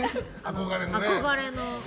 憧れの。